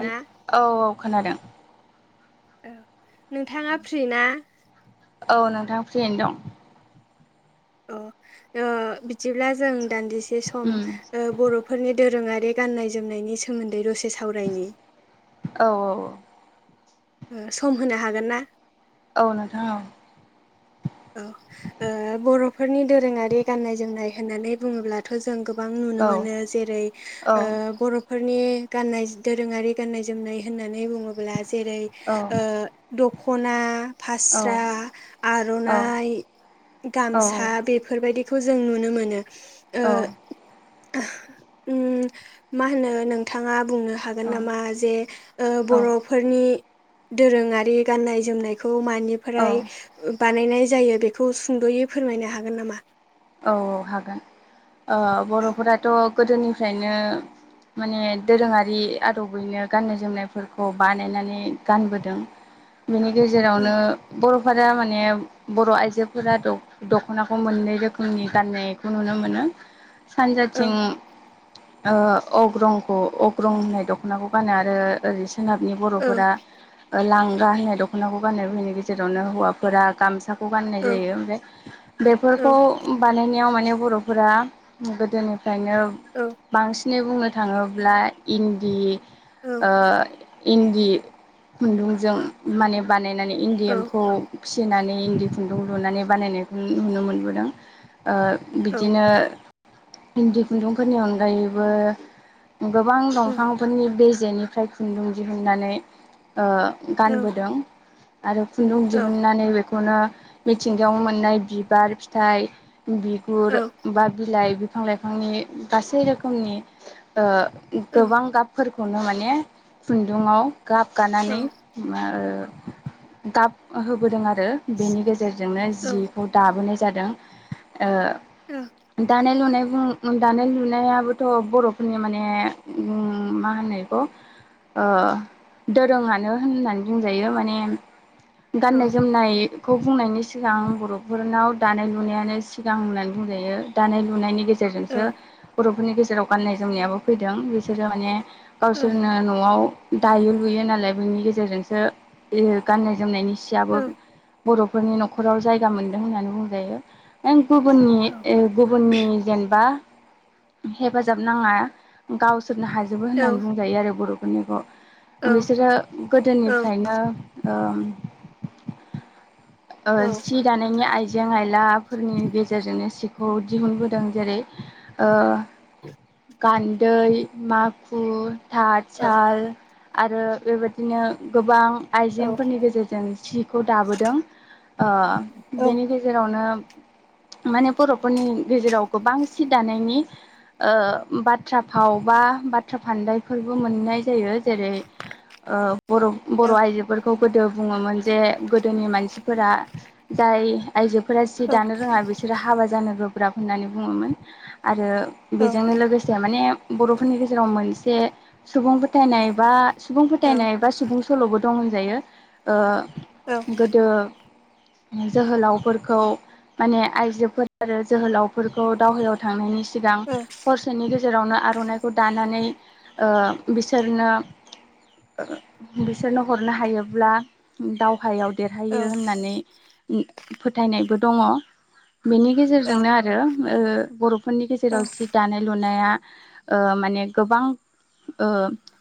औ औ खोनादों औ नोंथाङा फ्रि ना? प्रियैनो दं अ ओ बिदिब्ला जों दान्दिसे सम उम ओ बर'फोरनि दोरोङारि गाननाय जोमनायनि सोमोन्दै दसे सावरायनि औ सम होनो हागोन ना? औ नोंथां औ औ ओ बर'फोरनि दोरोङारि गाननाय जोमनाय होननानै बुङोब्लाथ' जों जों गोबां नुनो औ मोनो जेरै औ ओ बर'फोर नि गाननाय दोरोङारि गाननाय जोमनाय होननानै होननानै बुङोब्ला जेरै औ ओ दखना फास्रा आरनाय गामसा बेफोरबायदिखौ जों नुनो मोनो औ ओम मा होनो नोंथाङा बुंनो हागोन नामा जे ओ औ बर'फोरनि दोरोङारि गान्नाय जोमनायखौ खौ औ मानिफ्राय बानायनाय जायो बेखौ सुंद'यै फोरमायनो हागोन नामा? औ हागोन ओ औ बर'फोराथ' गोदोनिफ्रायनो माने दोरोङारि आदबैनो गाननाय जोमनायफोरखौ बानायनानै गानबोदों बिनि औ गेजेरावनो बर' फोरा माने बर' आइजोफोरा दख'नाखौ मोननै रोखोम नि गान्नायखौ नुनो मोनो औ सानजाथिं ओ अग्रंखौ अग्रं होननाय दख'नाखौ गानो आरो ओरै सोनाबनि औ बर'फोरा लांगा होनाय दख'नाखौ गाननायनि गेजेरावनो हौवाफोरा गामसा गाननाय औ जायो ओमफ्राय बेफोरखौ औ गाननायाव माने बर'फोरा गोदोनिफ्रायनो औ बांसिन बुंनो थाङोब्ला इन्दि औ ओ इन्दि खुन्दुंजों माने बानायनानै इन्दि औ एम्फौ फि सिनानै इन्दि खुन्दुं लुनानै बानायनायखौ नुनो मोनबोदों ओ औ बिदिनो। इन्दि खुन्दुंफोरनि अनगायैबो गोबां दंफांफोरनि बे जेनिफ्राय खुन्दुं दिहुननानै ओ औ गानबोदों। आरो खुन्दुं औ दिहुनन्नानै बेखौनो मिथिंगायाव मोननाय बिबार फिथाइ औ बिगुर बा बिलाइ बिफां-लाइफांनि गासै रोखोमनि ओ। गोबां गाबफोरखौनो माने खुन्दुङाव गाब औ गानानै बा ओ। गाब होबोदों आरो बेनि गेजेरजोंनो औ जिखौ दाबोनाय। जादों ओ दानाय-लुनाय जों दानाय लुनायाबोथ' बर'फोरनि माने मा होनो बेखौ। ओ दोरोङानो होननानै बुंजायो माने। गाननाय जोमनायखौ बुंनायनि सिगां बर'फोरनाव दानाय लुनायानो। सिगां होननानै बुंजायो दानाय लुनायनि गेजेरजोंसो बर' फोरनि गेजेराव गाननाय जोमनायाबो फैदों बिसोरो माने गावसोरनो न'आव दायो लुयो नालाय बेनि गेजेरजोंसो गाननाय जोमनायनि सियाबो। औ बर'फोरनि न'खराव जायगा मोनदों होननानै बुंजायो। गुबुननि गुबुननि जेनेबा हेफाजाब नाङा गाव सुरनो [unintelligible] हाजोबो होननानै बुंजायो आरो बर'फोरनिखौ बिसोरो गोदोनिफ्रायनो ओ ओ सि दानायनि आइजें आयला नि गेजेरजोंनो सिखौ दिहुनबोदों जेरै ओ [inaudible] गानदै माखु थार साल आरो बेबायदिनो गोबां आइजेंफोरनि गेजेरजों सिखौ दाबोदों औ ओ बेनि गेजेरावनो माने बर'फोरनि गेजेराव गोबां सि दानायनि ओ बाथ्रा फाव बा बाथ्रा फानदायफोरबो मोननाय। जायो जेरै ओ बर' बर' औ आइजोफोरखौ गोदो बुङोमोन जे गोदोनि मानसिफोरा जाय आइजोफोर। औ दानो रोङा बिसोरो हाबा जानो गोब्राब होननानै बुङोमोन आरो। बेजोंनो लोगोसे माने बर'फोरनि गेजेराव मोनसे सुबुं फोथायनाय बा सुबुं फोथायनाय बा सुबुं सल'बो दं होनजायो ओ गोदो जोहोलावफोरखौ माने आइजोफोर आरो जोहोलावफोरखौ दावहायाव थांनायनि सिगां हरसेनि गेजेर रावनो आर'नाइखौ दानानै ओ बिसोरनो बिसोरनो हरनो हायोब्ला दावहायाव। देरहायो होननानै फोथायनायबो दङ। बेनि गेजेरजोंनो आरो ओ बर'फोरनि औ गेजेराव सि दानाय लुनाया ओ माने गोबां ओ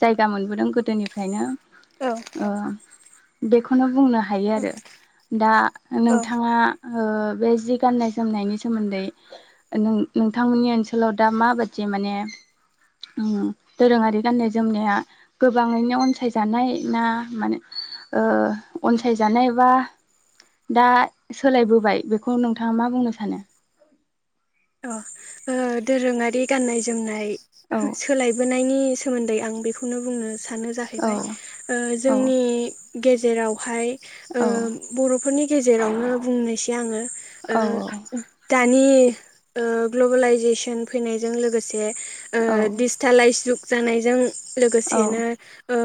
जायगा मोनबोदों गोदोनिफ्रायनो बेखौनो बुंनो हायो आरो दा औ। नोंथाङा ओ। बे जि गाननाय जोमनायनि सोमोनदै नों नोंथांमोननि ओनसोलाव दा माबादि माने ओम दोरोङारि गाननाय जोमनाया गोबाङैनो अनसायजानाय ना माने ओ अनसायजानाय बा दा सोलायबोबाय बे खौ नोंथाङा मा बुंनो सानो। अ ओ दोरोङारि गाननाय जोमनाय औ सोलायबोनायनि सोमोनदै आं बेखौनो बुंनो सानो औ जाहैबाय औ जोंनि गेजेरावहाय। ओ औ बर'फोरनि गेजेरावनो बुंनोसै आङो औ ओ दानि ओ ग्लबेलाइजेसन फैनायजों लोगोसे ओ औ डिजिटेलाइस जुग जानायजों औ लोगोसेनो ओ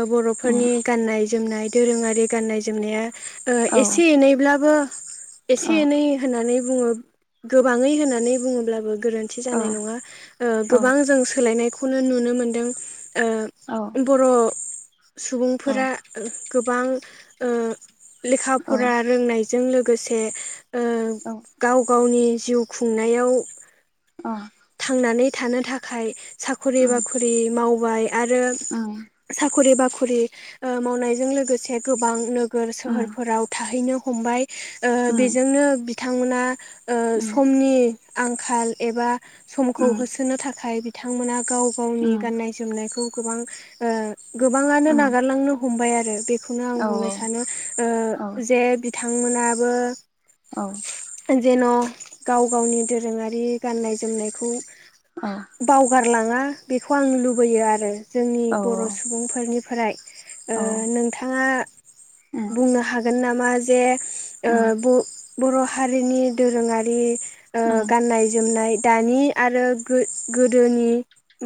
उम बर'फोरनि गाननाय जोमनाय दोरोङारि गाननाय जोमनाया। ओ औ एसे एनैब्लाबो औ एसे एनै होननानै बुङो गोबाङै होननानै बुङोब्लाबो गोरोनथि जानाय नङा गोबां जों सोलायनायखौनो नुनो मोनदों औ ओ बर' अ सुबुंफोरा गोबां ओ लेखा फरा रोंनायजों लोगोसे ओ गाव गावनि जिउ खुंनायाव अ नानै थानो थाखाय साख'रि बाख'रि मावबाय आरो उम साख'रि बाख'रि खुरि ओ मावनायजों लोगोसे गोबां नोगोर उम सोहोरफोराव थाहैनो हमबाय ओ उम बेजोंनो बिथांमोना समनि आंखाल एबा समखौ उम होसोनो थाखाय बिथांमोना गाव गावनि उम गाननाय-जोमनायखौ गोबां ओ गोबाङानो उम नागारलांनो हमबाय आरो बेखौनो आं औ बुंनो सानो ओ औ जे बिथांमोनाबो औ जेन' गाव गावनि दोरोङारि गाननाय-जोमनायखौ औ बावगार लाङा बेखौ आं लुबैयो आरो जोंनि औ बर' सुबुंफोरनिफ्राय औ ओ नोंथाङा उम बुंनो हागोन नामा जे ओ उम ब बर' हारिनि दोरोङारि उम गान्नाय-जोमनाय दानि आरो गो गोदोनि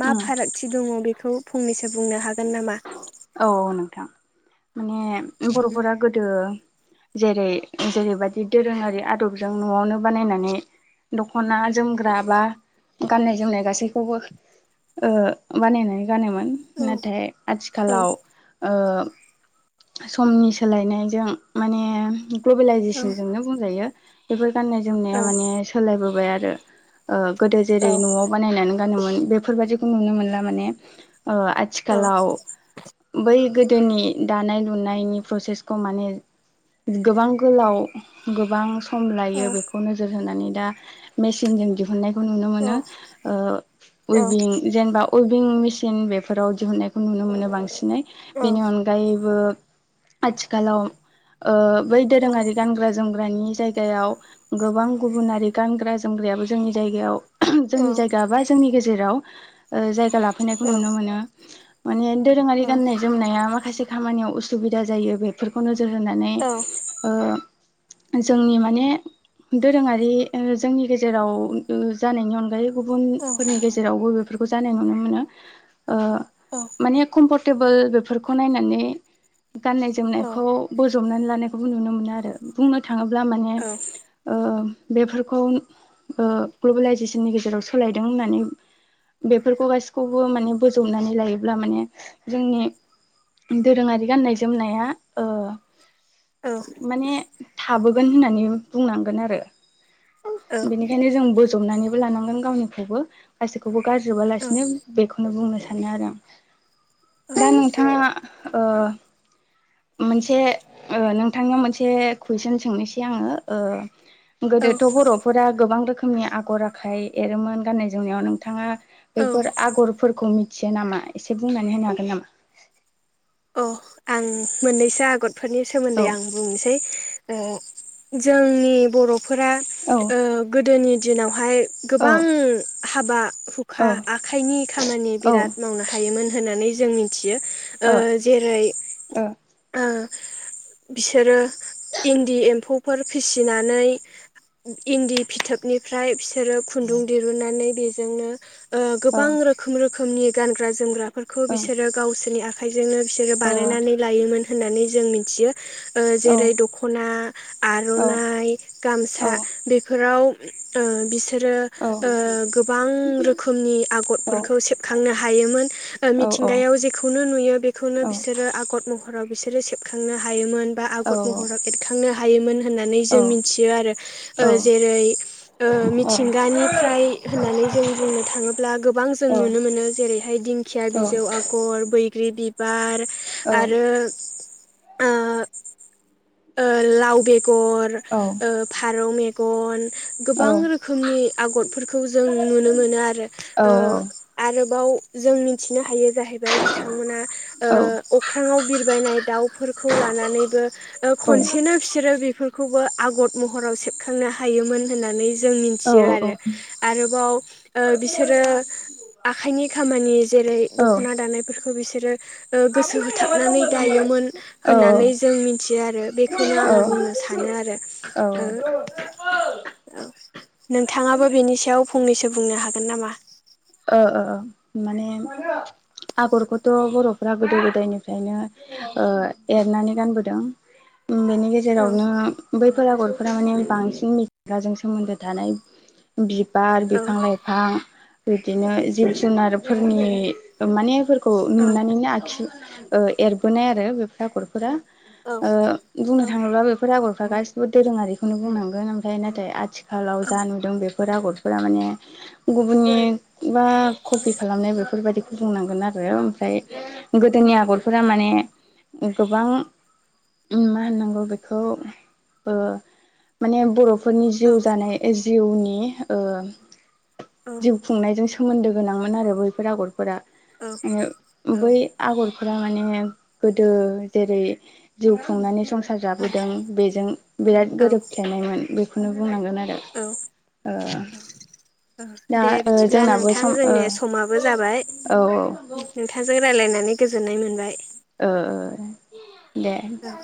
मा उम फारागथि दङ' बे खौ फंनैसो बुंनो हागोन नामा? औ नोंथां माने बर'फोरा गोदो जेरै जेरैबादि दोरोङारि आदबजों न'आवनो बानायनानै दख'ना जोमग्रा बा गाननाय-जोमनाय गासैखौबो ओ बानायनानै गानोमोन औ नाथाय औ आथिखालाव ओ समनि सोलायनायजों माने औ ग्ल'बेलइजेसनजोंनो बुंजायो बेफोर औ गान्नाय-जोमनाया माने सोलायबोबाय आरो ओ गोदो औ जेरै न'आव बानायनानै गानोमोन बेफोरबायदिखौ नुनो मोनला माने ओ औ आथिखालाव बै गोदोनि दानाय-लुनायनि प्रसेसखौ माने गोबां गोलाव गोबां सम औ लायो बेखौ नोजोर होनानै दा मेसिनजों दिहुननाय नुनो मोनो ओ औ उइभिं जेनबा उइ भिं मेसिन बेफोराव दिहुननायखौ नुनो मोनो बांसिनै बेनि अनगायैबो आथिखालाव ओ बै औ दोरोङारि गानग्रा-जोमग्रानि जायगायाव गोबां गुबुनारि गानग्रा जोमग्रायाबो जोंनि जायगायाव जोंनि जायगा बा जोंनि गेजेराव ओ जायगा लाफैनायखौ नुनो मोनो। माने दोरोङारि गाननाय-जोमनाया माखासे खामानियाव उसुबिदा जायो बेफोरखौनो जोर होनानै जोंनि माने दोरोङारि ओ जोंनि गेजेराव जानायनि अनगायै गुबुन फोरनि गेजेरावबो बेफोरखौ जानाय नुनो मोनो ओ माने कमफर टेबोल बेफोरखौ नायनानै गाननाय-जोमनायखौ बोर ज'बनानै लानायखौबो नुनो मोनो आरो बुंनो थाङोब्ला माने ओ बेफोरखौ ओ ग्ल'बेलाइजेसननि गेजेराव सोलायदों होननानै बेफोरखौ गासिखौबो माने बोज'बनानै लायोब्ला माने जोंनि दोरोङारि गाननाय-जोमनाया ओ माने थाबोगोन होननानै बुंनांगोन आरो बेनिखायनो जों बोजबनानैबो लानांगोन गावनिखौबो गासैखौबो औ औ गारजोबालासिनो बेखौनो बुंनो सानो आरो आं औ दा नोंथाङा ओ मोनसे ओ नोंथांनियाव मोनसे कुइसन सोंनोसै आङो औ गोदोथ' बर'फोरा गोबां रोखोमनि आगर आखाइ एरोमोन गाननाय-जोमनायाव नोंथाङा औ बेफोर आगरफोरखौ मिथियो नामा एसे बुंनानै होनो हागोन नामा? औ आं मोननैसो आगरफोरनि औ सोमोन्दै आं बुंनोसै ओ जोंनि बर'फोरा औ ओ गोदोनि दिनावहाय औ गोबां हाबा औ हुखा आखाइनि खामानि औ ओ बिराद मावनो हायोमोन होननानै जों मिथियो ओ जेरै ओ बिसोरो इन्दि एम्फौफोर फिसिनानै इन्दि फिथोबनिफ्राय बिसोरो खुन्दुं दिरुनानै बेजोंनो ओं औ गोबां रोखोम रोखोमनि गानग्रा जोमग्राफोरखौ बिसोरो गावसोरनि आ जोंनो बिसोरो बानायनानै लायोमोन होननानै जों मिथियो औ जेरै दख'ना आर'नाइ गामसा बेफोराव बिसोरो गोबां रोखोमनि आगरफोरखौ सेबखांनो हायो हायोमोन औ औ मिथिंगायाव जेखौनो नुयो औ बेखौनो बिसोरो आगर महर बिसोरो सेबखांनो हायोमोन बा आगर महराव एरखांनो हायोमोन। होननानै जों मिथियो आरो जेरै मिथिंगानिफ्राय होननानै जों बुंनो थाङोब्ला गोबां जों नुनो मोनो जेरैहाय दिंखिया बिजौ आगर बै ग्रि बिबार ओ लाव बेगर ओ फारौ मेगन गोबां रोखोमनि आगरफोरखौ जों नुनो मोनो आरो ओ आरोबाव जों मिथिनो हायो जाहैबाय बिथांमोना औ अख्रांङाव बिरबायनाय दाउफोरखौ लानानैबो खनसेनो बिसोरो बेफोरखौबो आगर महराव सेबखांनो हायोमोन होननानै जों मिथियो औ आरो आरोबाव बिसोरो आखाइनि खामानि जेरै दख'ना दानायफोरखौ बिसोर गोसो होथाबनानै दायोमोन होननानै जों मिथि मिथियो आरो बेखौनो आं बुंनो सानो आरो औ नोंथाङाबो औ। बेनि सायाव फंनैसो बुंनो हागोन नामा? ओ ओ माने आगरखौथ' बर'फ्रा गोदो गोदायनिफ्रायनो एरनानै गानबोदों। बेनि औ गेजेरावनो बैफोर आगरखौ माने बांसिन मिथिंगाजों सोमोन्दो थानाय बिबार औ बिफां लाइफां बिदिनो जिब जुनारफोरनि मानेफोरखौ औ नुनानैनो आखियो एरबोनाय आरो बेफोर आगरफोरा औ बुंनो औ थाङोब्ला बेफोर आगर गासिबो दोरोङारिखौनो बुंनांगोन ओमफ्राय नाथाय आथिखालाव जा नुदों बे फोर आगरफोरा माने गुबुननि बा कफि खालामनाय बेफोरबायाददिखौ बुंनांगोन आरो ओमफ्राय गोदोनि आगरफोरा माने माने गोबां मा होननांगौ बेखौ माने बर' बे फोरनि औ जिउ जानाय जिउनि ओ सोमोनदो गोनां मोन आरो बेफोर आगरफोरा माने गोदो जेरै जिउ खुंनानै संसार औ जाबोदों बेजों बिराद गोरोबफ्लायनायमोन बेखौनो बुंनांगोन आरो। औ ओ औ दा दे बि ओ बिदिब्ला जोंनाबो नोंथां सम ओ जोंनि समाबो जाबाय औ औ नोंथांजों सोलायनानै गोजोननाय मोनबाय ओ दे औ